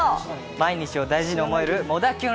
毎日を大事に思える、もだキュン